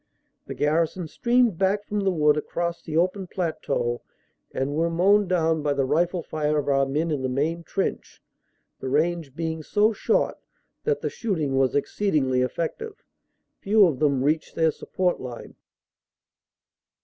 The garrison streamed back from the wood across the open plateau and were mown down by the rifle fire of our men in the main trench, the range being so short that the shooting was exceedingly effective. Few of them reached their support line.